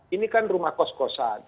ini kan rumah kos kosan